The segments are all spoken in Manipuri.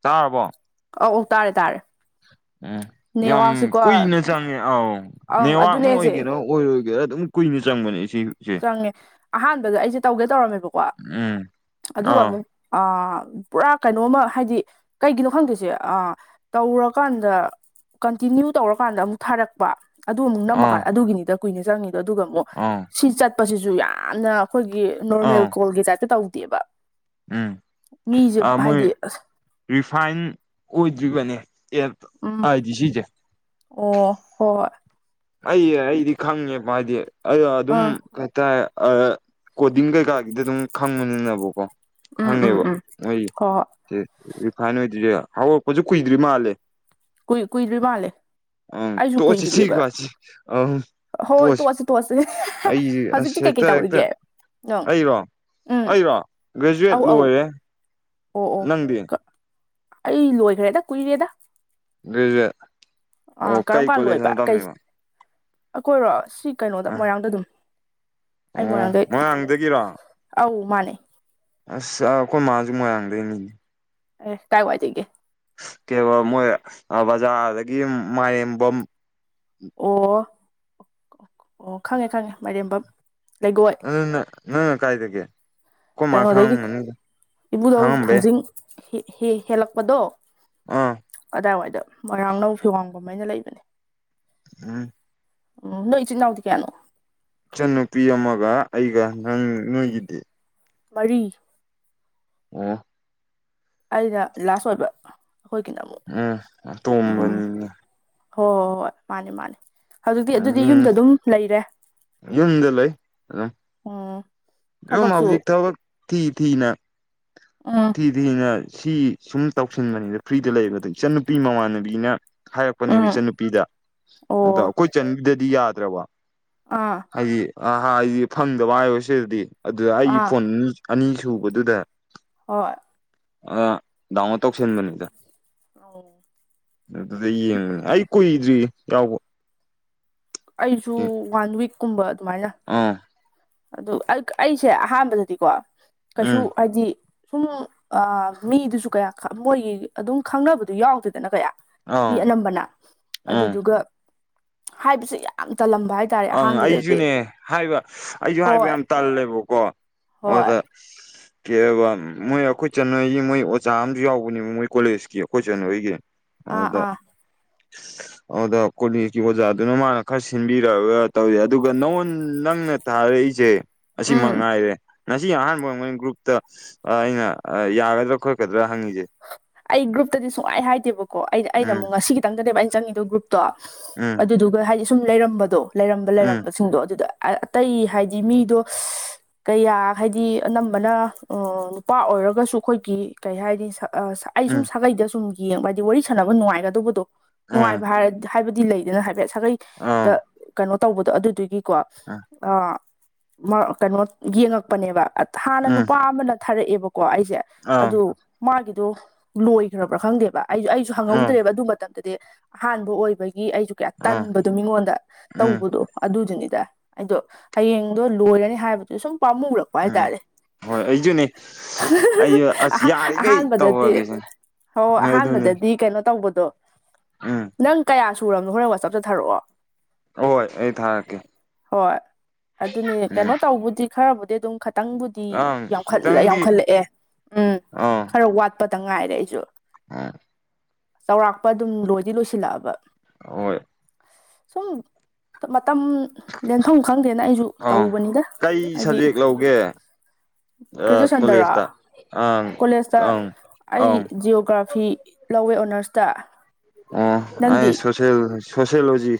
ꯇꯥꯔꯕꯣ ꯑꯧ ꯑꯣ ꯇꯥꯔꯦ ꯇꯥꯔꯦ ꯎꯝ ꯌꯥꯝ ꯅꯦꯠꯋꯥꯛꯁꯤꯀꯣ ꯀꯨꯏꯅ ꯆꯪꯉꯦ ꯑꯥꯎ ꯑꯪ ꯅꯦꯋꯥꯛꯅ ꯑꯗꯨꯅꯦꯁꯦ ꯑꯣꯏꯒꯦꯔꯣ ꯑꯣꯏꯔꯣꯏꯒꯦꯔꯥ ꯑꯗꯨꯝ ꯀꯨꯏꯅ ꯆꯪꯕꯅꯦ ꯁꯤ ꯆꯪꯉꯦ ꯑꯍꯥꯟꯕꯗ ꯑꯩꯁꯦ ꯇꯧꯒꯦ ꯇꯧꯔꯝꯃꯦꯕꯀꯣ ꯎꯝ ꯑꯗꯨꯒ ꯑꯥ ꯑꯃꯨꯛ ꯑ ꯄꯨꯔꯥ ꯀꯩꯅꯣꯝꯃ ꯍꯥꯏꯗꯤ ꯀꯩꯒꯤꯅꯣ ꯈꯪꯗꯦꯁꯦ ꯑꯥ ꯇꯧꯔꯀꯥꯟꯗ ꯀꯟꯇꯤꯅ꯭ꯌꯨ ꯇꯧꯔꯀꯥꯟꯗ ꯑꯃꯨꯛ ꯊꯥꯔꯛꯄ ꯑꯗꯨ ꯑꯃꯨꯛ ꯑꯥ ꯅꯝꯃꯀꯥꯟꯗ ꯑꯗꯨꯒꯤꯅꯤꯗ ꯀꯨꯏꯅ ꯆꯪꯉꯤꯗꯣ ꯑꯗꯨꯒ ꯑꯃꯨꯛ ꯑꯥ ꯁꯤ ꯆꯠꯄꯁꯤꯁꯨ ꯌꯥꯝꯅ ꯑꯩꯈꯣꯏꯒꯤ ꯅꯣꯔꯃꯦꯜ ꯑꯥ ꯀꯣꯜꯒꯤ ꯇꯥꯏꯞꯇ ꯇꯧꯗꯦꯕ ꯃꯤꯁꯦ ꯎꯝ ꯃꯣꯏ ꯍꯥꯏꯗꯤ ꯑꯁ ꯔꯤꯐꯥꯏꯟ ꯑꯣꯏꯗ꯭ꯔꯤꯕꯅꯦ ꯑꯦ ꯎꯝ ꯍꯥꯏꯗꯤ ꯁꯤꯁꯦ ꯑꯣ ꯍꯣꯏ ꯑꯩ ꯑꯩꯗꯤ ꯈꯪꯉꯦ ꯃꯥꯗꯤ ꯑ ꯑꯗꯨꯝ ꯑꯥ ꯀꯩꯇꯥꯔꯦ ꯀꯣꯗꯤꯡ ꯀꯩꯀꯥꯒꯤꯗꯤ ꯑꯗꯨꯝ ꯈꯪꯕꯅꯤꯅꯦꯕꯀꯣ ꯎꯝ ꯎꯝ ꯈꯪꯉꯦꯕ ꯎꯝ ꯅꯣꯏ ꯍꯣꯏ ꯍꯣꯏ ꯔꯤꯐꯥꯏꯟ ꯑꯣꯏꯗ꯭ꯔꯤꯁꯦ ꯍꯧꯔꯛꯄꯁꯨ ꯀꯨꯏꯗ꯭ꯔꯤ ꯃꯥꯜꯂꯦ ꯀꯨꯏ ꯀꯨꯏꯗ꯭ꯔꯤ ꯃꯥꯜꯂꯦ ꯎꯝ ꯑꯩꯁꯨ ꯇꯨ ꯀꯨꯏꯗ꯭ꯔꯤꯑꯕ ꯁꯤꯀꯁꯤ [inaudible] ꯑ ꯍꯣꯏ ꯄꯣꯠꯁꯤ ꯇꯣꯛꯑꯁꯤ ꯇꯣꯛꯑꯁꯤ ꯑꯩꯁ ꯑꯁ ꯍꯧꯖꯤꯛꯇꯤ ꯀꯩꯀꯩ ꯍꯦꯛꯇ ꯍꯦꯛꯇ [inaudible] ꯇꯧꯔꯤꯒꯦ ꯅꯪ ꯑꯩꯔꯣ ꯎꯝ ꯑꯩꯔꯣ ꯒ꯭ꯔꯦꯖꯨꯑꯦꯠ ꯑꯧ ꯑꯧ ꯂꯣꯏꯔꯦ ꯑꯣ ꯅꯪꯗꯤ ꯑꯣ ꯑꯩ ꯂꯣꯏꯈ꯭ꯔꯦꯗ ꯀꯨꯏꯔꯦꯗ ꯖ [inaudible] ꯑꯥ ꯀꯔꯝꯀꯥꯟ ꯂꯣꯏꯕ ꯀꯩ ꯑꯩꯈꯣꯏꯔꯣ ꯁꯤ ꯀꯩꯅꯣꯗ ꯑ ꯃꯣꯏꯔꯥꯡꯗ ꯑꯗꯨꯝ ꯑꯩ ꯑꯣ ꯃꯣꯏꯔꯥꯡꯗꯩ ꯃꯣꯏꯔꯥꯡꯗꯒꯤꯔꯣ ꯑꯥꯎ ꯃꯥꯅꯦ ꯑꯁ ꯑꯩꯈꯣꯏ ꯃꯥꯁꯨ ꯃꯣꯏꯔꯥꯡꯗꯩꯅꯤ ꯑꯦ ꯀꯥꯢ ꯋꯥꯏꯗꯒꯤ ꯀꯩ ꯃꯣꯏ ꯕꯖꯥꯔꯗꯒꯤ ꯃꯥꯂꯦꯝꯕꯝ ꯑꯣ ꯑꯣ ꯈꯪꯉꯦ ꯈꯪꯉꯦ ꯃꯥꯏꯔꯦꯝꯕꯝ ꯂꯩꯒꯣ ꯅꯪꯅ ꯅꯪꯅ ꯀꯥꯏꯗꯒꯤ ꯀꯩꯅꯣꯗꯒꯤ ꯏꯕꯨꯙꯧ ꯈꯪꯉꯝꯕ ꯌꯥꯏ ꯊꯥꯡꯖꯤꯡ ꯍꯦꯜꯂꯛꯄꯗꯣ ꯑꯥ ꯑꯗꯥꯏꯋꯥꯏꯗ ꯃꯣꯏꯔꯥꯡ ꯅꯧ ꯐꯤꯋꯥꯡꯒꯨꯝꯃ ꯍꯥꯏꯅ ꯂꯩꯕꯅꯦ ꯎꯝ ꯎꯝ ꯅꯣꯏ ꯏꯆꯤꯟ ꯏꯅꯥꯎꯗꯤ ꯀꯌꯥꯅꯣ ꯏꯆꯟꯅꯨꯄꯤ ꯑꯃꯒ ꯑꯩꯒ ꯅꯪ ꯅꯣꯏꯒꯤꯗꯤ ꯃꯔꯤ ꯑꯣ ꯑꯩꯅ ꯂꯥꯁ ꯑꯣꯏꯕ ꯑꯩꯈꯣꯢꯒꯤꯅ ꯑꯃꯨꯛ ꯎꯝ ꯎꯝ ꯑꯇꯣꯡꯕꯅꯤꯅꯦ ꯍꯣꯏ ꯍꯣꯏ ꯍꯣꯏ ꯃꯥꯅꯤ ꯃꯥꯅꯤ ꯍꯧꯖꯤꯛꯇꯤ ꯑꯗꯨꯗꯤ ꯎꯝ ꯌꯨꯝꯗ ꯑꯗꯨꯝ ꯂꯩꯔꯦ ꯌꯨꯝꯗ ꯂꯩ ꯑꯗꯨꯝ ꯎꯝ ꯑꯗꯨꯝ ꯊꯕꯛꯁꯨ ꯍꯧꯖꯤꯛ ꯊꯕꯛ ꯊꯤ ꯊꯤꯅ ꯎꯝ ꯁꯤꯗꯤꯅ ꯁꯤ ꯁꯨꯝ ꯇꯧꯁꯤꯟꯕꯅꯤꯗ ꯐ꯭ꯔꯤꯗ ꯂꯩꯕꯗ ꯑꯗꯣ ꯏꯆꯟꯅꯨꯄꯤ ꯃꯃꯥꯟꯅꯕꯤꯅ ꯍꯥꯏꯔꯛꯄꯅꯦꯕ ꯎꯝ ꯏꯆꯟꯅꯨꯄꯤꯗ ꯑꯗ ꯑꯣ ꯑꯩꯈꯣꯏ ꯏꯆꯟꯒꯤꯗꯨꯗꯤ ꯌꯥꯗ꯭ꯔꯕ ꯑꯥ ꯍꯥꯏꯗꯤ ꯑ ꯍꯥꯏꯗꯤ ꯐꯪꯗꯕ ꯍꯥꯏꯌꯣ ꯁꯤꯗꯗꯤ ꯑꯗꯨꯗ ꯑꯩꯒꯤ ꯑꯥ ꯐꯣꯟ ꯑꯅꯤ ꯁꯨꯕꯗꯨꯗ ꯍꯣꯏ ꯑ ꯗꯥꯎꯟꯂꯣꯗ ꯇꯧꯁꯤꯟꯕꯅꯤꯗ ꯑꯣ ꯑꯗꯨꯗ ꯌꯦꯡꯕꯅꯦ ꯑꯩ ꯀꯨꯏꯗ꯭ꯔꯤ ꯌꯥꯎꯕ ꯑꯩꯁꯨ ꯋꯥꯟ ꯋꯤꯛꯀꯨꯝꯕ ꯑꯗꯨꯃꯥꯏꯅ ꯑꯥ ꯑꯗꯨ ꯑꯩꯁꯦ ꯑꯍꯥꯟꯕꯗꯗꯤꯀꯣ ꯀꯩꯁꯨ ꯎꯝ ꯍꯥꯏꯗꯤ ꯁꯨꯝ ꯑ ꯃꯤꯗꯨꯁꯨ ꯀꯌꯥ ꯈ ꯃꯣꯏꯒꯤ ꯑꯗꯨꯝ ꯈꯪꯅꯕꯗꯨ ꯌꯥꯎꯗꯦꯗꯅ ꯀꯌꯥ ꯃꯤ ꯑꯥ ꯑꯅꯝꯕꯅ ꯑꯥ ꯑꯗꯨꯗꯨꯒ ꯍꯥꯏꯕꯁꯨ ꯌꯥꯝ ꯇꯜꯂꯝꯕ ꯍꯥꯏ ꯑꯪ ꯑꯩꯖꯨꯅꯦ ꯍꯥꯏꯕ ꯑꯩꯖꯨ ꯍꯥꯏꯕ ꯍꯣꯏ ꯌꯥꯝ ꯇꯜꯂꯦꯕꯀꯣ ꯑꯗꯨꯗ [inaudible] ꯀꯦꯕ ꯃꯣꯏ ꯑꯩꯈꯣꯏ ꯆꯅꯣꯏꯒꯤ ꯃꯣꯏ ꯑꯣꯖꯥ ꯑꯃꯁꯨ ꯌꯥꯎꯕꯅꯦꯕ ꯃꯣꯏ ꯀꯣꯂꯦꯖꯀꯤ ꯑꯩꯈꯣꯏ ꯆꯅꯣꯏꯒꯤ ꯑꯥ ꯑꯗꯨꯗ ꯑꯥ ꯑꯗꯨꯗ ꯀꯣꯂꯦꯖꯀꯤ ꯑꯣꯖꯥꯗꯨꯅ ꯃꯥꯅ ꯈꯔ ꯁꯤꯟꯕꯤ ꯔꯒ ꯇꯧꯔꯤ ꯑꯗꯨꯒ ꯅꯉꯣꯟ ꯅꯪꯅ ꯊꯥꯔꯛꯏꯁꯦ ꯑꯁꯤ ꯎꯝ ꯃꯉꯥꯏꯔꯦ ꯉꯁꯤ ꯑꯍꯥꯟꯕ ꯑꯣꯏꯔꯝꯒꯅꯤ ꯒ꯭ꯔꯨꯞꯇ ꯑꯩꯅ ꯌꯥꯒꯗ꯭ꯔꯥ ꯈꯣꯠꯀꯗ꯭ꯔꯥ ꯍꯪꯉꯤꯁꯦ ꯑꯩ ꯒ꯭ꯔꯨꯞꯇꯗꯤ ꯁꯨꯡꯍꯥꯏ ꯍꯥꯏꯗꯦꯕꯀꯣ ꯑꯩ ꯑꯩꯅ ꯎꯝ ꯑꯃꯨꯛ ꯉꯁꯤꯒꯤꯇꯪꯗꯅꯦꯕ ꯑꯩꯅ ꯆꯪꯉꯤꯗꯣ ꯒ꯭ꯔꯨꯞꯇꯣ ꯎꯝ ꯑꯗꯨꯗꯨ ꯑ ꯍꯥꯏꯗꯤ ꯁꯨꯝ ꯂꯩꯔꯝꯕꯗꯣ ꯂꯩꯔꯝꯕ ꯎꯝ ꯂꯩꯔꯝꯕꯁꯤꯡꯗꯣ ꯑꯗꯨꯗ ꯑꯇꯩ ꯍꯥꯏꯗꯤ ꯃꯤꯗꯣ ꯀꯌꯥ ꯍꯥꯏꯗꯤ ꯑꯅꯝꯕꯅ ꯑ ꯅꯨꯄꯥ ꯑꯣꯏꯔꯒꯁꯨ ꯑꯩꯈꯣꯏꯒꯤ ꯀꯩ ꯍꯥꯏꯗꯤ ꯁꯛ ꯑ ꯑꯩ ꯁꯨꯝ ꯎꯝ ꯁꯥꯒꯩꯗ ꯁꯨꯝ ꯌꯦꯡꯕ ꯍꯥꯏꯗꯤ ꯋꯥꯔꯤ ꯁꯥꯟꯅꯕ ꯅꯨꯡꯉꯥꯏꯒꯗꯧꯕꯗꯣ ꯎꯝ ꯅꯨꯡꯉꯥꯏꯕ ꯍꯥꯏꯔꯗꯤ ꯍꯥꯏꯕꯗꯤ ꯂꯩꯗꯅ ꯍꯥꯏꯐꯦꯠ ꯁꯥꯒꯩꯗ ꯑꯥ ꯀꯩꯅꯣ ꯇꯧꯕꯗꯣ ꯑꯗꯨꯗꯨꯒꯤꯀꯣ ꯑꯥ ꯃ ꯀꯩꯅꯣ ꯌꯦꯡꯉꯛꯄꯅꯦꯕ ꯍꯥꯟꯅ ꯎꯝ ꯅꯨꯄꯥ ꯑꯃꯅ ꯊꯥꯔꯛꯑꯦꯕꯀꯣ ꯑꯩꯁꯦ ꯑꯥ ꯑꯗꯨ ꯃꯥꯒꯤꯗꯣ ꯂꯣꯏꯈ꯭ꯔꯕ꯭ꯔꯥ ꯈꯪꯗꯦꯕ ꯑꯩꯖꯨ ꯑꯩꯖꯨ ꯑꯥ ꯍꯪꯍꯧꯗ꯭ꯔꯦꯕ ꯑꯗꯨ ꯃꯇꯝꯗꯗꯤ ꯑꯍꯥꯟꯕ ꯑꯣꯏꯕꯒꯤ ꯑꯩꯖꯨ ꯀꯌꯥ ꯑꯥ ꯇꯟꯕꯗꯣ ꯃꯤꯉꯣꯟꯗ ꯎꯝ ꯇꯧꯕꯗꯣ ꯑꯗꯨꯗꯨꯅꯤꯗ ꯑꯩꯗꯣ ꯍꯌꯦꯡꯗꯣ ꯂꯣꯏꯔꯅꯤ ꯍꯥꯏꯕꯗꯨ ꯁꯨꯝ ꯄꯥꯝꯃꯨꯔꯛꯄ ꯄꯥꯥꯏ ꯎꯝ ꯇꯥꯔꯦ ꯍꯣꯏ ꯑꯩꯁꯨꯅꯦ ꯑꯩꯁꯨ [unintelligible] ꯑꯁ ꯑꯍꯥꯟ ꯌꯥꯔꯤꯈꯩ ꯑꯍꯥꯟꯕꯗꯗꯤ ꯇꯧꯔꯒꯦ ꯁꯤꯅꯦ ꯍꯣ ꯑꯗꯨꯅꯦ ꯑꯍꯥꯟꯕꯗꯗꯤ ꯀꯩꯅꯣ ꯇꯧꯕꯗꯣ ꯎꯝ ꯅꯪ ꯀꯌꯥ ꯁꯨꯨꯔꯕꯅꯣ ꯍꯣꯔꯦꯟ ꯋꯥꯆꯞꯇ ꯊꯔꯛꯑꯣ ꯍꯣꯏ ꯑꯩ ꯊꯥꯔꯛꯀꯦ ꯍꯣꯏ ꯑꯗꯨꯅꯦ ꯎꯝ ꯀꯩꯅꯣ ꯇꯧꯕꯗꯤ ꯈꯔꯕꯨꯗꯤ ꯑꯗꯨꯝ ꯈꯇꯪꯕꯨꯗꯤ ꯑꯪ ꯌꯥꯎꯈꯠ ꯈꯤꯇꯪꯗꯤ ꯌꯝꯈꯠꯂꯛꯑꯦ ꯎꯝ ꯑꯥ ꯈꯔ ꯋꯥꯠ ꯈꯤꯇꯪ ꯉꯥꯏꯔꯦ ꯑꯩꯁꯨ [unintelligible] ꯆꯥꯎꯔꯥꯛꯄ ꯑꯗꯨꯝ ꯂꯣꯏꯗꯤ ꯂꯣꯏꯁꯤꯜꯂꯛꯑꯕ ꯍꯣꯏ ꯁꯨꯝ ꯃꯇꯝ ꯂꯦꯟꯐꯝ ꯈꯪꯗꯦꯅꯥ ꯑꯩꯖꯨ ꯑꯥ ꯇꯧꯕꯅꯤꯗ ꯀꯩ ꯍꯥꯏꯗꯤ ꯁꯕꯖꯦꯛ ꯂꯧꯒꯦ ꯒ꯭ꯔꯦꯖꯨꯑꯦꯁꯟꯗꯔꫭ ꯀꯣꯂꯦꯖꯇ ꯑꯪ ꯀꯣꯂꯦꯖꯇꯥ ꯑꯪ ꯑꯩ ꯑꯪ ꯖꯤꯑꯣꯒ꯭ꯔꯥꯐꯤ ꯂꯧꯋꯦ ꯑꯣꯅꯔꯁꯇ ꯑꯣ ꯑꯩ ꯅꯪꯗꯤ ꯁꯣꯁꯤꯑꯦꯜ ꯁꯣꯁꯤꯑꯣꯂꯣꯖꯤ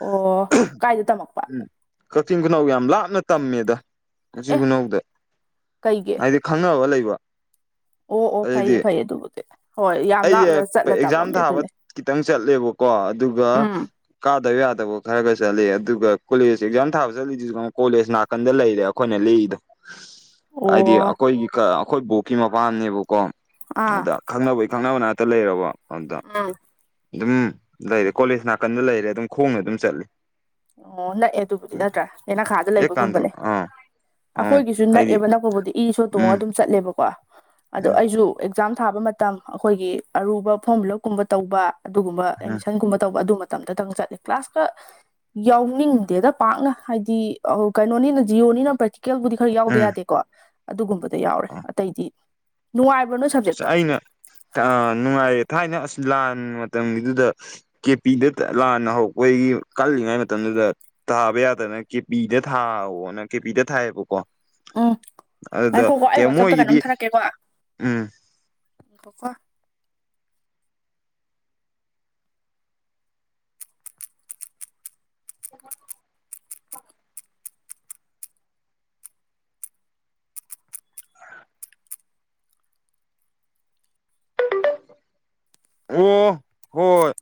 ꯑꯣ [unintelligible] ꯀꯥꯏꯗ ꯇꯝꯃꯛꯄ ꯎꯝ ꯀꯛꯆꯤꯡ ꯈꯨꯅꯧ ꯌꯥꯝ ꯂꯥꯞꯅ ꯇꯝꯃꯦꯗꯥ ꯑꯦ ꯀꯛꯆꯤꯡ ꯈꯨꯅꯧꯗ ꯀꯩꯒꯤ ꯍꯥꯏꯗꯤ ꯈꯪꯅꯕ ꯂꯩꯕ ꯑꯣ ꯑꯣ ꯐꯩꯌꯦ ꯑꯗꯨꯗꯤ ꯐꯩꯌꯦ ꯑꯗꯨꯕꯨꯗꯤ ꯍꯣꯏ ꯌꯥꯝ ꯂꯥꯞꯅꯥ ꯑꯩ ꯆꯠꯂꯒꯥ ꯇꯕꯝ ꯑꯦꯛꯖꯥꯝ ꯊꯥꯕ ꯈꯤꯇꯪ ꯆꯠꯂꯦꯕꯀꯣ ꯑꯗꯨꯒꯥ ꯎꯝ ꯀꯥꯗꯕ ꯌꯥꯗꯕ ꯈꯔꯒꯥ ꯆꯠꯂ‌ꯦ ꯑꯗꯨꯒ ꯀꯣꯂꯦꯖ ꯑꯦꯛꯖꯥꯝ ꯊꯥꯕ ꯆꯠꯂꯤꯁꯤꯁꯨ ꯀꯣꯂꯦꯖ ꯅꯥꯀꯟ ꯅꯥꯀꯟꯗ ꯂꯩꯔꯦ ꯑꯩꯈꯣꯏꯅ ꯂ°ꯏꯗꫭ [inaudible] ꯍꯥꯏꯗꯤ ꯑꯩꯈꯣꯏ ꯑꯩꯈꯣꯏꯒꯤ ꯕꯣꯛꯀꯤ ꯃꯄꯥꯝꯅꯦꯕꯀꯣ ꯑꯥ ꯑꯗꯨꯗꯥ ꯈꯪꯅꯕꯒꯤ ꯈꯪꯅꯕ ꯅꯥꯇ ꯂꯩꯔꯕ ꯑꯗ ꯎꯝꯝ ꯑꯗꯨꯝ ꯂꯩꯔꯦ ꯀꯣꯂꯦꯖ ꯅꯥꯀꯟꯗꯥ ꯂꯩꯔꯦ ꯑꯗꯨꯝ ꯈꯣꯡꯅꯗꯥ ꯑꯗꯨꯝ ꯆꯠꯂꯤ ꯑꯣ ꯅꯛꯑꯦ ꯑꯗꯨꯕꯨꯗꯤ ꯅꯠꯇ꯭ꯔꯥ ꯍꯦ ꯌ‌ꯦꯅꯈꯥꯗ ꯍꯦꯛ ꯀꯥꯟꯗ ꯂꯩꯕꯒꯨꯝꯕꯅꯦ ꯑꯥ ꯑꯥ ꯑꯩꯈꯣꯏꯒꯤꯁꯨ ꯍꯥꯏꯗꯤ ꯅꯛꯑꯦꯕ ꯅꯛꯄꯕꯨꯗꯤ ꯏꯁꯨ ꯏ ꯔꯤꯛ ꯁꫭ ꯇꯣꯡꯉꯒ ꯎꯝ ꯑꯗꯨꯝ ꯆꯠꯂꯦꯕꯀꯣ ꯑꯗꯣ ꯎꯝ ꯑꯩꯁꯨ ꯑꯦꯛꯖꯥꯝ ꯊꯥꯕ ꯃꯇꯝ ꯑꯩꯈꯣꯏꯒꯤ ꯑꯔꯨꯕꯥ ꯐꯣꯔꯝ ꯐꯤꯂꯞꯀꯨꯝꯕ ꯇꯧꯕꯥ ꯑꯗꯨꯒꯨꯝꯕ ꯎꯝ ꯑꯦꯗꯃꯤꯁꯟꯒꯨꯝꯕ ꯇꯧꯕ ꯑꯗꯨ ꯃꯇꯝꯗꯇꯪ ꯆꯠꯂꯦ ꯀ꯭ꯂꯥꯁꯀ ꯌꯥꯎꯅꯤꯡꯗꯦꯗ ꯄꯥꯛꯅ ꯍꯥꯏꯗꯤ ꯀꯩꯅꯣꯅꯤꯅ ꯖꯤꯌꯣꯅꯤꯅ ꯄ꯭ꯔꯦꯛꯇꯤꯀꯦꯜꯕꯨꯗꯤ ꯈꯔ ꯌꯥꯎꯗ ꯎꯝ ꯌꯥꯗꯦꯀꯣ ꯑꯗꯨꯒꯨꯝꯕꯗꯥ ꯌꯥꯎꯔꯦ ꯑꯇꯩꯗꯤ ꯅꯨꯡꯉꯥꯏꯕ꯭ꯔꯥ ꯅꫭꯏ ꯑꯁ ꯑꯩꯅ ꯅꯨꯡꯉꯥꯏ ꯊꯥꯏꯅ ꯑꯥꯁ ꯂꯥꯟ ꯃꯇꯝꯒꯤꯗꯨꯗꯥ ꯀꯦꯄꯤꯗ ꯂꯥꯟꯅ ꯍꯧꯔꯛꯄꯣꯏꯒꯤ ꯀꯜꯂꯤꯉꯩ ꯃꯇꯝꯗꯨꯗꯥ꯫ ꯇꯥꯕ ꯌꯥꯗꯅ ꯀꯦꯄꯤꯗ ꯊꯥꯋꯣꯅ ꯀꯦꯄꯤꯗ ꯊꯥꯏꯌꯦꯕꯀꯣ ꯎꯝ ꯑꯗꯨꯗꯥ ꯉꯥꯏꯈꯣꯀꯣ ꯑꯩ ꯀꯩ ꯋꯥꯆꯞꯇ ꯃꯣꯒꯤꯗꯤ ꯎꯝꯝ ꯉꯥꯏꯈꫭꯀꯣ ꯑꯣꯑꫭ ꯍꯣꯏꯏ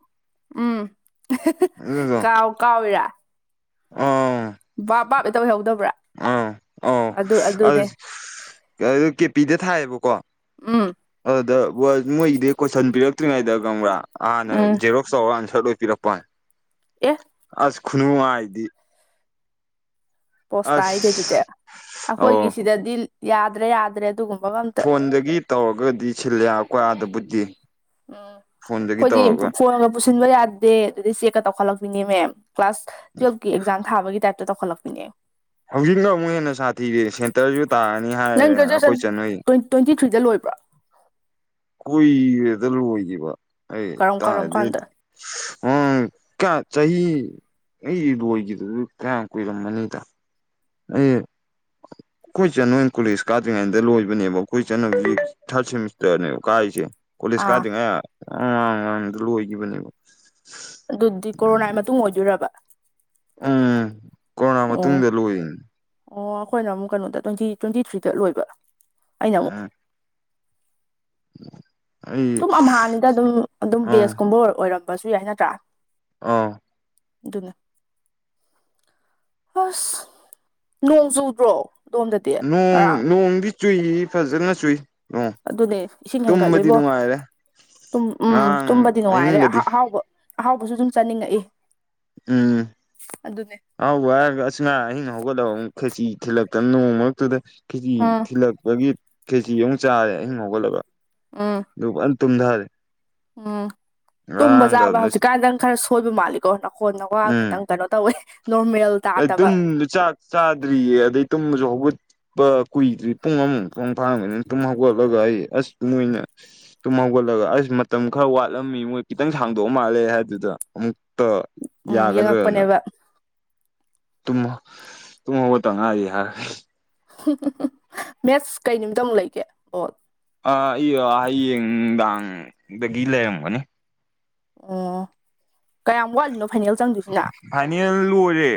ꯎꯝ ꯑꯍ° ꯑꯍ° ꯑꯗꯨꯗꯣ ꯀꯥꯎ ꯀꯥꯎꯏꯔꯥ ꯑꯥ ꯕꯥꯞ ꯕꯥꯞ ꯑꫭꯏꯍꯧꯗꯕ꯭ꯔꯥ ꯑꯥ ꯑꯧ ꯑꯗꯨ ꯑꯗꯨ ꯀꯦꯄꯤꯗ ꯊꯥꯏꯌꯦꯕꯀꯣ ꯎꯝ ꯑꯗꯨꯗꯥ ꯃꯣꯏꯗꯤ ꯀꯣꯏꯁꯟ ꯄꯤꯔꯛꯇ꯭ꯔꯤꯉꯩꯗ ꯈꯪꯕꯔꯥ ꯍꯥꯟꯅ ꯎꯝ ꯖꯔꫭꯛ ꯆꯥꯋꯟ ꯁꯠꯔꫭꯅꯥ ꯄꯤꯔꯛꯄ ꯋꯥꯅꯤ ꯑꯦ ꯑꯁ ꯈꯨꯅꯨꯡꯉꯥꯏꯗꯤ ꯄꯣꯁꯇꯥꯏꯅ° ꯑꯗꯨꯗꯤ ꯑꯁ ꯑꯩꯈꯣꯏꯒꯤ ꯑꯧ ꯁꯤꯗꯗꯤ ꯌꯥꯗ꯭ꯔꯦ ꯌꯥꯗ꯭ꯔꯦ ꯑꯗꯨꯒꯨꯝꯕꯥ ꯑꯃꯇꯥ ꯐꯣꯟꯗꯒꯤ ꯇꯧꯔꯒꯗꯤ ꯁꯤꯜꯂꯦ‌ ꯑꯩꯈ‌ꯣꯏ ꯑꯗꯕꯨꯗꯤ ꯑꯝ ꯑꯩꯈꯣꯏꯗꯤ ꯐꯣꯟꯒ ꯄꯨꯁꯤꯟꯕ ꯌꯥꯗꯦ꯫ ꯑꯗꯒꯤ ꯆꯦꯛꯀ ꯇꯧꯈꯠꯂꯛꯄꯤꯅꯦ ꯃꯦ ꯀ꯭ꯂꯥꯁ ꯇꯨꯋꯦꯜꯞꯀꯤ ꯑꯦꯛꯖꯥꯝ ꯊꯥꯕꯒꯤ ꯇꯥꯏꯞꯇ ꯇꯧꯈꯠꯂꯛꯄꯤꯅꯤ ꯍꯧꯖꯤꯛꯅ ꯑꯃꯨꯛ ꯍꯦꯟꯅ ꯁꯥꯊꯤꯔꯤ ꯁꯦꯟꯇꯔꯁꯨ ꯇꯥꯔꯅꯤ ꯍꯥꯏꯔꯦ ꯑꯩꯈꯣꯏ ꯆꯟꯍ‌ꯣꯏ ꯇꯣꯏꯦꯟꯇꯤ ꯊꯔꯤꯗ ꯂꯣꯏ꯭ꯔꯥꯕꯔ‌ꯣ ꯀꯣꯏꯔꯦꯗ ꯂꯣꯏꯈꯤꯕ ꯑꯩ ꯀꯔꯝ ꯀꯔꯝ ꯀꯥꯟꯗ ꯇꯥꯗꯤꯗꯤ ꯎꯝ ꯀꯌꯥ ꯆꯍꯤ ꯑꯩꯒꯤ ꯂꯣꯏꯈꯤꯗꯁꯨ ꯀꯌꯥꯝ ꯀꯨꯏꯔꯝꯃꯅꯤꯗ ꯑꯩꯅꯥ [inaudible] ꯑꯩꯈꯣꯏ ꯆꯟꯍ‌ꯣꯏꯅꯥ ꯀꯣꯂꯦꯖ ꯀꯥꯗ꯭ꯔꯤꯉꯩꯗ ꯂꯣꯏꯕꯅꯦꯕ ꯑꯩꯈꯣꯏ ꯆꯟ ꯍꯧꯖꯤꯛ ꯊꯥꯔꯠ ꯁꯦꯃꯤꯁꯇꯔꯅꯦꯕ ꯀꯥꯔꯤꯁꯦ ꯀꯣꯂꯦꯖ ꯑꯥ ꯀꯥꯗꯔꯤꯉꯩ ꯑ ꯃꯃꯥꯡꯗ ꯂꯣꯏꯈꯤꯕꯅꯦꯕ ꯑꯗꯨꯗꯤ ꯀꯣꯔꯣꯅꯥꯒꯤ ꯃꯇꯨꯡ ꯑꯣꯏꯗꯣꯏꯔꯕ ꯎꯝ ꯀꯣꯔꯣꯅꯥ ꯑꯣ ꯃꯇꯨꯡꯗ ꯂꯣꯏꯅꯤ ꯑꯣ ꯑꯩꯈꯣꯏꯅꯥ ꯑꯃꯨꯛ ꯀꯩꯅꯣ ꯇ꯭ꯋꯦꯟꯇꯤ ꯇ꯭ꯋꯦꯟꯇꯤ ꯊ꯭ꯔꯤꯗꯥ ꯂꯣꯏꯕ ꯑꯩꯅ ꯑꯃꯨꯛ꯫ ꯑ ꯑꯩ ꯑꯗꯨꯝ ꯑꯥꯝꯍꯥꯅꯤꯗ ꯑꯗꯨꯝ ꯑꯗꯨꯝ ꯑꯥ ꯕꯦꯁꯀꯨꯝꯕ ꯑꯣꯏꯔꯝꯕꯁꯨ ꯌꯥꯏ ꯅꯠꯇ꯭ꯔꯥ ꯑꯥꯎꯎ ꯑꯗꯨꯅꯦ ꯑꯁ ꯅꯣꯡ ꯆꯨꯗ꯭ꯔꯣ ꯑꯗꯣꯝꯗꯗꯤ ꯅꯣꯡ ꯉꯔꯥꯡ ꯅꯣꯡꯗꯤ ꯆꯨꯏ ꯐꯖꯅ ꯆꯨꯏ ꯅꯣꯡ ꯑꯗꯨꯅꯦ ꯏꯁꯤꯡ ꯇꯨꯝꯕꯗꯤ ꯍꯦꯟꯒꯠꯂꯦꯕꯣ ꯅꯨꯡꯉꯥꯏꯔꯦ ꯇꯨꯝ ꯎꯝ ꯉꯔꯥꯡ ꯇꯨꯝꯕꯗꯤ ꯅꯨꯡꯉꯥꯏꯔꯦ ꯑꯍꯤꯡꯒꯗꯤ ꯑꯍꯥꯎꯕ ꯑꯍꯥꯎꯕꯁꯨ ꯑꯁꯨꯝ ꯆꯥꯅꯤꯡꯉꯛꯏ ꯎꯝ ꯑꯗꯨꯅꯦ ꯑꯍꯥꯎꯕ ꯍꯥꯏꯔꯒ ꯑꯁ ꯉꯥ ꯑꯍꯤꯡ ꯍꯧꯒꯠꯂꯒ ꯑꯃꯨꯛ ꯈꯦꯆꯤ ꯊꯤꯜꯂꯛꯇꯅ ꯅꯣꯡꯃ ꯃꯔꯛꯇꯨꯗ ꯀꯦꯖꯤ ꯎꯝ ꯊꯤꯜꯂꯛꯄꯒꯤ ꯀꯦꯖꯤ ꯑꯃꯨꯛ ꯆꯥꯔꯦ ꯑꯍꯤꯡ ꯍꯧꯒꯠꯂꯒ ꯎꯝ ꯑꯗꯨ ꯐꯖꯅꯇꯨꯝꯊꯔꯦ ꯎꯝ ꯇꯨꯝꯕ ꯆꯥꯕ ꯍꯧꯖꯤꯛꯀꯥꯟ ꯅꯪ ꯈꯔ ꯁꯣꯏꯕ ꯃꯥꯜꯂꯤ ꯀꯣ ꯅꯀꯣꯟ ꯅꯀꯋꯥ ꯈꯇꯪ ꯀꯩꯅꯣ ꯇꯧꯋꯦ ꯅꯣꯔꯃꯦꯜ ꯇꯥꯗꯕ ꯇꯨꯝꯗ ꯆꯥꯛ ꯆꯥꯗ꯭ꯔꯤꯌꯦ ꯑꯗꯩ ꯇꯨꯝꯃꯁꯨ ꯍꯧꯒꯠ ꯄꯥ ꯀꯨꯏꯗ꯭ꯔꯤ ꯄꯨꯡ ꯑꯃꯃꯨ ꯇꯪ ꯐꯥꯔꯝꯒꯅꯤ ꯇꯨꯝ ꯍꯧꯒꯠꯂꯒ ꯑꯩ ꯑꯁ ꯃꫭꯏꯅ ꯇꯨꯝ ꯍꯧꯒꯠꯂꯒ ꯑꯁ ꯃꯇꯝ ꯈꯔ ꯋꯥꯠꯂꯝꯃꯤ ꯃꯣꯏ ꯈꯤꯇꯪ ꯁꯥꯡꯗꯣꯛꯑ ꯃꯥꯜꯂꯦ ꯍꯥꯏꯗꯨꯗ ꯑꯃꯨꯛꯇ ꯎꯝ ꯌꯥꯒꯗ꯭ꯔꯗꯅ ꯌꯦꯡꯉꯛꯄꯅꯦꯕ ꯇꯨꯝ ꯇꯨꯝꯍꯧꯒꯇ ꯉꯥꯏꯔꯤ ꯍꯥꯏꯔ ꯍꯨꯝꯝ ꯃꯦꯠꯁ ꯀꯩ ꯅꯨꯃꯤꯇ ꯑꯃꯨꯛ ꯂꯩꯒꯦ ꯑꯣꯑ ꯑꯥ ꯑꯩ ꯍꯌꯦꯡ ꯅꯨꯃꯤꯠꯗꯥꯡꯗꯒꯤ ꯂꯩꯔꯝꯒꯅꯤ꯫ ꯑꫭꯑꫭ ꯐꯥꯏꯅꯦꯜ ꯂꯣꯏꯔꯦ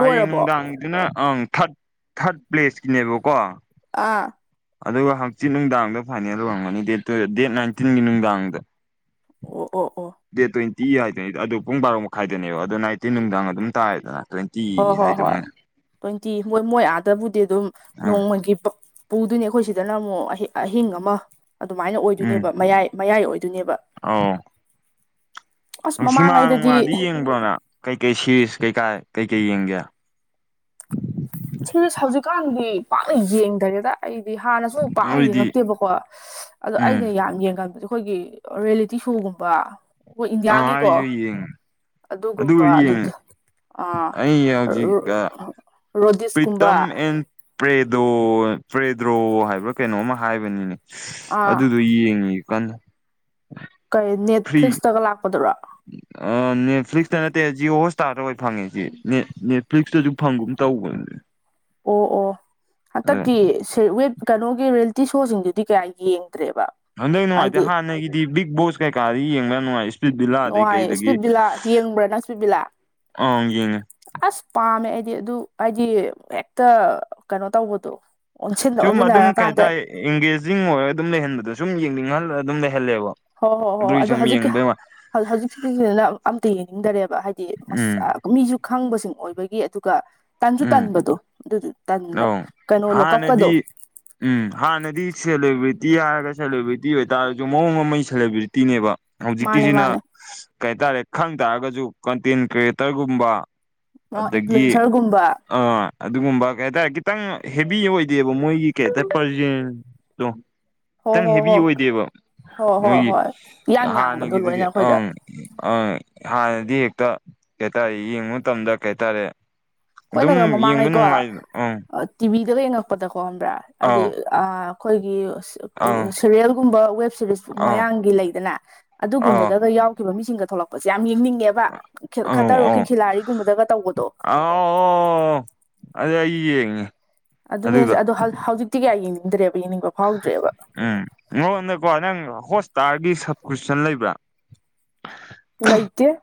ꯍꯌꯦꯡ ꯅꯨꯡꯗꯥꯡ ꯑꯗꯨꯅ ꯑꯪꯑ ꯊꯥꯔꯠ ꯊꯥꯔꯠ ꯄ꯭ꯂꯦꯁꯀꯤꯅꯦꯕꯀꯣ꯫ ꯑꯥꯑꯑ ꯑꯗꯨꯒꯥ ꯍꯪꯆꯤꯠ ꯅꯨꯡꯗꯥꯡꯗ ꯐꯥꯏꯅꯦꯜ ꯑꯣꯏꯔꯝꯒꯅꯤ ꯗꯦꯠ ꯅꯥꯏꯟꯇꯤꯟꯒꯤ ꯅꯨꯡꯗꯥꯡꯗꯥ꯫ ꯑꯣꯑ ꯑꯣ ꯑꯣꯑ ꯗꯦꯠ ꯇ꯭ꯋꯦꯟꯇꯤ ꯍꯥꯏꯗꯨꯅꯤ ꯑꯗꯨ ꯄꯨꯡ ꯕꯥꯔꯣ ꯃꯈꯥꯏꯗꯅꯦꯕ ꯑꯗꫭ ꯅꯥꯏꯇꯤꯟ ꯅꯨꯡꯗꯥꯡ ꯑꯗꯨꯝ ꯇꯥꯔꯦꯗꯅꯥ ꯍꯣꯏ ꯍꯣꯏ ꯍꯣꯏ ꯇ꯭ꯋꯦꯟꯇꯤ ꯃꯣꯏ ꯃꯣꯏ ꯑꯥꯗꯥꯕꯨꯗꯤ ꯑꯗꯨꯝ ꯑꯥ ꯅꯣꯡꯃꯒꯤ ꯄꯛ ꯄꯨꯗꫭꯏꯅꯤ ꯑꯩꯈꯣꯏ ꯁꯤꯗꯅ ꯑꯃꯨꯛ ꯑꯍꯤꯡ ꯑꯃ ꯑꯗꯨꯃꯥꯏꯅ ꯎꯝ ꯑꯣꯏꯗꯣꯏꯅꯦꯕ ꯃꯌꯥꯏ ꯃꯌꯥꯏ ꯑꯣꯏꯗꯣꯏꯅꯦꯕꯥ꯫ ꯑꯧ ꯁꯤꯃ ꯃꯃꯥꯡꯉꯩꯗꯗꯤ ꯅꯨꯡꯃꯥꯟꯗꯤ ꯌꯦꯡꯕ꯭ꯔꯣꯅ ꯀꯩꯀꯩ ꯁꯤꯔꯤꯁ ꯀꯩꯀꯥ ꯀꯩꯀꯩ ꯌꯦꯡꯒꯦ ꯁꯤꯁ ꯍꯧꯖꯤꯛꯀꯥꯟꯗꯤ ꯄꯥꯛꯅ ꯌꯦꯡꯗꯔꯦꯗ ꯑꯩꯗꯤ ꯍꯥꯟꯅꯁꯨ ꯄꯥꯛꯅ ꯅꯣꯏꯗꯤ ꯌꯦꯡꯉꯛꯇꯦꯕꯀꯣ ꯑꯗꯣ ꯎꯝ ꯑꯩꯅ ꯌꯥꯝꯅ ꯌꯦꯡꯒꯟꯕꯗꫭ ꯑꯩꯈꯣꯏꯒꯤ ꯔꯤꯌꯦꯂꯤꯇꯤ ꯁꯣꯒꯨꯝꯕ ꯑꯩꯈꯣꯏ ꯑ ꯏꯟꯗꯤꯌꯥꯒꯤꯀꯣ ꯑꯩꯁꯨ ꯌ‌ꯦꯡ ꯑꯗꯨꯕꯨ ꯑꯗꯨꯒꯨꯝꯕ ꯑꯗꯨ ꯌꯦꯡꯉ ꯑꯩ ꯍꯧꯖꯤꯛꯀ ꯔ‌ꯣꯠ ꯄ꯭ꯔꯤꯇꯝ ꯑꯦꯟ ꯄ꯭ꯔꯦꯗꯣ ꯄ꯭ꯔꯦꯗ꯭ꯔꯣ ꯍꯥꯏꯕꯔ ꯀꯩꯅꯣꯝ ꯑꯃ ꯍꯥꯏꯕꯅꯤꯅꯦ ꯑꯥ ꯑꯗꯨꯗꯣ ꯌꯦꯡꯉꯤ ꯀꯥꯟꯅ ꯀꯩ ꯅꯦꯠꯐ꯭ꯂꯤꯛꯁꯇꯒ ꯂꯥꯛꯄꯗꯨꯔꯥ ꯑꯥ ꯅꯦꯠꯐ꯭ꯂꯤꯛꯁꯇ ꯅꯠꯇꯦ ꯖꯤꯌꯑꯣ ꯍꯣꯠꯁꯇꯥꯔꯗ ꯑꯣꯏ ꯐꯪꯉꯦꯁꯤ ꯅꯦꯠꯐ꯭ꯂꯤꯛꯁꯇꯁꯨ ꯐꯪꯒꯨꯝ ꯇꯧꯕꯅꯤꯅꯦ ꯑꯣ ꯑꯣ ꯍꯟꯗꯛꯇꯤ ꯁꯤ‌ ꯋꯦꯠ ꯀꯩꯅꯣꯒꯤ ꯔꯤꯌꯦꯜꯇꯤ ꯁꯣꯁꯤꯡꯗꯨꯗꯤ ꯀꯌꯥ ꯌꯦꯡꯗ꯭ꯔꯦꯕ ꯍꯟꯗꯛ ꯅꯨꯡꯉꯥꯏꯇꯦ ꯍꯥꯏꯗꯤ ꯍꯥꯟꯅꯒꯤꯗꯤ ꯕꯤꯛ ꯕꯣꯁ ꯀꯩꯀꯥꯗꯤ ꯌꯦꯡꯕ ꯌꯥꯝ ꯅꯨꯡꯉꯥꯏ ꯁꯤ ꯕꯤꯜꯂꯥꯗꯩ ꯅꯨꯡꯉꯥꯏ ꯀꯩꯗꯒꯤ ꯏꯁꯄꯤꯠ ꯕꯤꯂꯥ ꯌꯦꯡꯕ꯭ꯔꯥ ꯅꯪ ꯏꯁꯄꯤꯠ ꯕꯤꯂꯥ ꯑꯪ ꯌꯦꯡꯉꯦ ꯑꯁ ꯄꯥꯝꯃꯦ ꯑꯩꯗꯤ ꯑꯗꯨ ꯍꯥꯏꯗꯤ ꯍꯦꯛꯇ ꯀꯩꯅꯣ ꯇꯧꯕꯗꯣ ꯑꯣꯟꯁꯤꯟ ꯁꯨꯝ ꯑꯗꯨꯝ ꯀꯩ ꯑꯣꯟꯁꯤꯟꯅꯔꯀꯥꯟꯗ ꯍꯥꯏꯇꯥꯔꯦ ꯑꯦꯡꯒꯦꯖꯤꯡ ꯑꯣꯏꯔꯒ ꯑꯗꯨꯝ ꯂꯩꯍꯟꯕꯗꯣ ꯁꯨꯝ ꯌꯦꯡꯅꯤꯡꯍꯜꯂ ꯑꯗꯨꯝ ꯂꯩꯍꯜꯂꯦꯕ ꯍꯣꯏ ꯍꯣꯏ ꯍꯣꯏ ꯍꯣꯏ ꯑꯗꯨꯒꯤ ꯑꯗꯣ ꯁꯨꯝ ꯍꯧꯖꯤꯛꯀꯤ ꯌꯦꯡꯕꯩ ꯋꯥ ꯍꯧꯖꯤꯛ ꯍꯧꯖꯤꯛꯁꯤꯅ ꯑꯝꯇ ꯌꯦꯡꯅꯤꯡꯗꯔꯦꯕ ꯍꯥꯏꯗꯤ ꯎꯝ ꯃꯁꯥ ꯃꯤꯁꯨ ꯈꯪꯕꯁꯤꯡ ꯑꯣꯏꯕꯒꯤ ꯑꯗꯨꯒ ꯇꯟꯁꯨ ꯎꯝ ꯇꯟꯥꯟꯕꯗꯣ ꯑꯗꯨꯗꯨ ꯇꯟꯕ ꯑꯧ ꯀꯩꯅꯣ ꯂꯣꯀꯞꯀꯗꯣ ꯍꯥꯟꯅꯗꯤ ꯎꯝ ꯍꯥꯟꯅꯗꯤ ꯁꯦꯂꯦꯕ꯭ꯔꯤꯇꯤ ꯍꯥꯏꯔꯒ ꯁꯦꯂꯦꯕ꯭ꯔꯤꯇꯤ ꯑꯣꯏꯇꯥꯔꯁꯨ ꯃꯑꯣꯡ ꯑꯃꯒꯤ ꯁꯦꯂꯦꯕ꯭ꯔꯤꯇꯤꯅꯦꯕ ꯃꯥꯅꯦ ꯍꯧꯖꯤꯛꯀꯤꯁꯤꯅ ꯃꯥꯅꯦ ꯀꯩ ꯍꯥꯏꯇꯥꯔꯦ ꯈꯪ ꯇꯥꯔꯒꯁꯨ ꯀꯟꯇꯦꯟ ꯀ꯭ꯔꯤꯌꯦꯇꯔꯒꯨꯝꯕ ꯑꯗꯒꯤ ꯀꯒꯨꯝꯕ ꯑꯥ ꯑꯗꯨꯒꯨꯝꯕ ꯀꯩ ꯍꯥꯏꯇꯥꯔꯦ ꯈꯤꯇꯪ ꯍꯦꯕꯤ ꯑꯣꯏꯗꯦꯕ ꯃꯣꯏꯒꯤ ꯀꯩ ꯍꯥꯏꯇꯥꯔꯦ ꯇꯣ ꯍꯣ ꯈꯤꯇꯪ ꯍꯣ ꯍꯦꯕꯤ ꯍꯣ ꯑꯣꯏꯗꯦꯕ ꯍꯣꯏ ꯍꯣꯏ ꯃꯣꯏꯒꯤ ꯍꯣꯏ ꯏꯌꯥꯡ ꯌꯥꯡꯕꯗꯣ ꯍꯥꯟꯅꯒꯤꯗꯨꯗꯤ ꯂꯣꯏꯅ ꯑꯩꯈꯣꯏꯗ ꯑꯪ ꯑ ꯍꯥꯟꯅꯗꯤ ꯍꯦꯛꯇ ꯀꯩ ꯍꯥꯏꯇꯥꯔꯦ ꯌꯦꯡꯕ ꯃꯇꯝꯗ ꯀꯩ ꯍꯥꯏꯇꯥꯔꯦ ꯑꯗꯨꯝ ꯀꯣꯣꯏꯅꯒ ꯌꯦꯡꯕ ꯃꯃꯥꯡꯉꯩꯀꯣ ꯅꯨꯡꯉꯥꯏ ꯑꯪ ꯇꯤꯚꯤꯗꯒ ꯌꯦꯡꯉꯛꯄꯗꯀꯣ ꯍꯕ꯭ꯔꯥ ꯍꯥꯏꯗꯤ ꯑꯥꯎ ꯑꯩꯈꯣꯏꯒꯤ ꯑꯪ ꯁꯦꯔꯤꯌꯦꯜꯒꯨꯝꯕ ꯋꯦꯕ ꯁꯦꯔꯤꯁ ꯑꯪ ꯃꯌꯥꯒꯤ ꯂꯩꯗꯅ ꯑꯥ ꯑꯗꯨꯒꯨꯝꯕꯗꯒ ꯌꯥꯎ ꯊꯣꯛꯈꯤꯕ ꯃꯤꯁꯤꯡꯒ ꯊꯣꯛꯂꯛꯄꯁꯦ ꯌꯥꯝ ꯌꯦꯡꯅꯤꯡꯉꯦꯕ ꯈꯠꯇꯔꯣꯀꯤ ꯈꯦꯂꯥꯔꯤꯒꯨꯝꯕꯗꯒ ꯇꯧꯕꯗꯣ ꯑ ꯑꯣ ꯑꯗꯨ ꯑꯩ ꯌꯦꯡꯉꯦ ꯑꯗꯨꯅꯦꯁ ꯑꯗꯨꯗꯣ ꯑꯗꯣ ꯍꯧꯖꯤꯛꯇꯤ ꯀꯌꯥ ꯌꯦꯡꯅꯤꯡꯗ꯭ꯔꯦꯕ ꯌꯦꯡꯅꯤꯡꯕ ꯐꯥꯎꯗ꯭ꯔꯦꯕ ꯎꯝ ꯑꯩꯉꯣꯟꯗꯀꯣ ꯅꯪ ꯍꯣꯁꯄꯤꯇꯥꯜꯒꯤ ꯁꯞꯀ꯭ꯔꯤꯞꯁꯟ ꯂꯩꯕ꯭ꯔꯥ ꯂꯩꯇꯦ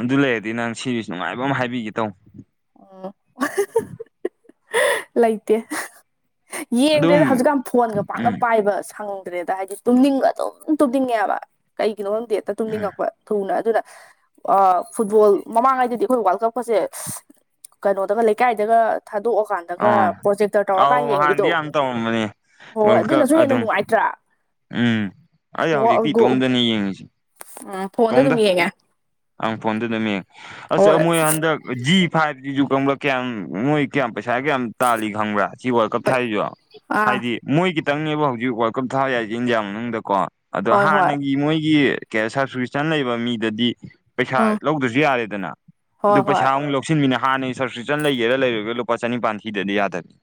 ꯑꯗꯨ ꯂꯩꯔꯗꯤ ꯅꯪ ꯁꯤꯔꯤꯁꯨ ꯅꯨꯡꯉꯥꯏꯕ ꯑꯃ ꯍꯥꯏꯕꯤꯒꯦ ꯇꯧ ꯑꯣ ꯂꯩꯇꯦ ꯑꯗꯨꯝ ꯌꯦꯡꯗ꯭ꯔꯦꯗ ꯍꯧꯖꯤꯛꯀꯥꯟ ꯐꯣꯟꯒ ꯄꯥꯛꯅ ꯎꯝ ꯄꯥꯏꯕ ꯁꯪꯗ꯭ꯔꯦꯗ ꯍꯥꯏꯗꯤ ꯇꯨꯝꯅꯤꯡꯕ ꯑꯗꯨꯝ ꯇꯨꯝꯅꯤꯡꯉꯦꯕ ꯀꯩꯒꯤꯅꯣ ꯗꯦꯠꯇ ꯎꯝ ꯇꯨꯝꯅꯤꯡꯉꯛꯄ ꯊꯨꯅ ꯑꯗꯨꯅ ꯑ ꯐꯨꯠꯕꯣꯜ ꯃꯃꯥꯡꯉꯩꯗꯗꯤ ꯑꯩꯈꯣꯏ ꯋꯥꯔꯜ ꯀꯞꯄꯁꯦ ꯀꯩꯅꯣꯗꯒ ꯂꯩꯀꯥꯏꯗꯒ ꯊꯥꯗꯣꯛꯑꯀꯥꯟꯗ ꯑꯗꯨꯒ ꯑꯥ ꯄ꯭ꯔꯣꯖꯦꯛꯇꯔ ꯑꯧ ꯇꯧꯔꯀꯥꯟ ꯌꯦꯡꯕꯤꯗꯣ ꯍꯥꯟꯅꯗꯤ ꯌꯥꯝ ꯇꯧꯔꯝꯕꯅꯦ ꯍꯣꯏ ꯍꯣꯏ ꯋꯥꯔꯜ ꯀꯞ ꯑꯗꯨꯅꯁꯨ ꯍꯦꯟꯅ ꯑꯗꯨꯝ ꯅꯨꯡꯉꯥꯏꯇ꯭ꯔꯥ ꯎꯝ ꯑꯩ ꯍꯧꯖꯤꯛꯇꯤ ꯏꯇꯣꯝꯗꯅꯤ ꯌꯦꯡꯉꯁꯤ ꯎꯝ ꯐꯣꯟꯗ ꯑꯗꯨꯝ ꯌꯦꯡꯉꯦ ꯑꯪ ꯐꯣꯟꯗꯨꯗꯝꯃꯤꯡ ꯑ ꯍꯣꯏ ꯃꯣꯏ ꯍꯟꯗꯛ ꯖꯤ ꯐꯥꯏꯚꯇꯁꯨ ꯀꯪꯕ꯭ꯔꯥ ꯀꯌꯥꯝ ꯅꯣꯏ ꯀꯌꯥꯝ ꯄꯩꯁꯥ ꯀꯌꯥꯝ ꯇꯥꯜꯂꯤ ꯈꯪꯕ꯭ꯔꯥ ꯁꯤ ꯋꯥꯔꯜ ꯀꯞ ꯍꯣꯏ ꯊꯥꯔꯤꯁꯨ ꯑꯥ ꯍꯥꯏꯗꯤ ꯃꯣꯏ ꯈꯤꯇꯪꯅꯦꯕ ꯍꯧꯖꯤꯛ ꯋꯥꯔꯜ ꯀꯞ ꯊꯥ ꯌꯥꯏꯁꯦ ꯏꯟꯗꯤꯌꯥ ꯃꯅꯨꯡꯗꯀꯣ ꯑꯗꯣ ꯍꯣꯏ ꯍꯣꯏ ꯍꯥꯟꯅꯒꯤ ꯃꯣꯏꯒꯤ ꯀ ꯁꯞꯕꯁꯤꯀ꯭ꯔꯤꯁꯟ ꯂꯩꯕ ꯃꯤꯗꯗꯤ ꯄꯩꯁꯥ ꯎꯝ ꯂꯧꯗ꯭ꯔꯁꯨ ꯌꯥꯔꯦꯗꯅ ꯑꯗꯨ ꯍꯣꯏ ꯍꯣꯏ ꯄꯩꯁꯥ ꯑꯃꯨꯛ ꯂꯧ ꯂꯧꯁꯤꯟꯃꯤꯅꯦ ꯍꯥꯟꯅ ꯁꯁꯀꯔꯤꯞꯁꯟ ꯂꯩꯒꯦꯔꯥ ꯂꯩꯔꯒ ꯂꯨꯄꯥ ꯆꯅꯤꯄꯥꯥꯟ ꯊꯤꯗꯗꯤ ꯌꯥꯗꯕꯅꯤ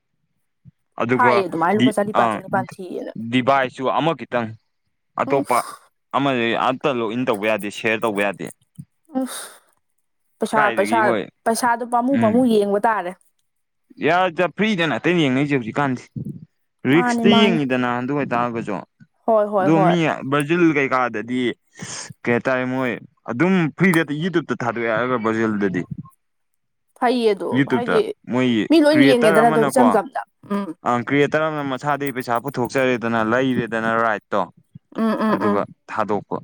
ꯑꯗꯨꯒ ꯍꯥꯏꯌꯦ ꯑꯗꯨꯃꯥꯏꯅ ꯂꯨꯄꯥ ꯑ ꯆꯅꯤꯄꯥꯟ ꯆꯅꯤꯄꯥꯟ ꯊꯤꯌꯦꯅ ꯗꯤꯚ ꯁꯨ ꯑꯃ ꯈꯤꯇꯪ ꯎꯝ ꯑꯇꯣꯞꯄ ꯑꯃ ꯑꯇ ꯂꯣꯛ ꯏꯟ ꯇꯧꯕ ꯌꯥꯗꯦ ꯁꯦꯌꯔ ꯇꯧꯕ ꯌꯥꯗꯦ ꯎꯝ ꯄꯩꯁꯥ ꯄꯩꯁꯥ ꯀꯥꯏꯗꯒꯤ ꯃꯣꯏ ꯄꯩꯁꯥꯗꯨꯣ ꯄꯥꯝꯃꯨ ꯎꯝ ꯄꯥꯝꯃꯨ ꯌꯦꯡꯕ ꯇꯥꯔꯦ ꯌꯥ ꯐ꯭ꯔꯤꯗꯅ ꯑꯇꯩꯩꯅ ꯌꯦꯡꯅꯩꯁꯦ ꯍꯧꯖꯤꯛꯀꯥꯟꯁꯦ ꯃꯥꯅꯤ ꯔꯤꯛꯁꯇ ꯃꯥꯅꯤ ꯌꯦꯡꯉꯤꯗꯅ ꯑꯗꯨ ꯑꯣꯏꯇꯥꯔꯒꯁꯨ ꯍꯣꯏ ꯍꯣꯏ ꯑꯗꯣ ꯍꯣꯏ ꯃꯤ ꯕ꯭ꯔꯥꯖꯤꯜ ꯀꯩꯀꯥꯗꯗꯤ ꯀꯩ ꯍꯥꯏꯇꯥꯔꯦ ꯃꯣꯏ ꯑꯗꯨꯝ ꯐ꯭ꯔꯤꯗꯦꯇ ꯌꯨꯇꯌꯨꯕꯇ ꯊꯥꯗꯣꯛꯦꯒ ꯕ꯭ꯔꯖꯦꯜꯗꯗꯤ ꯐꯩꯌꯦ ꯑꯗꯣ ꯍꯥꯏꯗꯤ ꯃꯣꯏꯒꯤ ꯃꯤ ꯂꯣꯏꯅ ꯀ꯭ꯔꯤꯌꯦꯇꯔ ꯌꯦꯡꯒꯦꯗꯅ ꯑꯗꯨꯝ ꯏꯆꯝ ꯑꯃꯅꯀꯣ ꯆꯝꯅ ꯎꯝ ꯑꯪ ꯀ꯭ꯔꯤꯌꯦꯇꯔ ꯑꯃꯅ ꯃꯁꯥꯗꯒꯤ ꯄꯩꯁꯥ ꯄꯨꯊꯣꯛꯆꯔꯦꯗꯅ ꯂꯩꯔꯦꯗꯅ ꯔꯥꯏꯠꯇꯣ ꯎꯝ ꯎꯝ ꯎꯝ ꯑꯗꯨꯒ ꯊꯥꯗꯣꯛꯄ